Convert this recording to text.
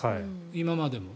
今までも。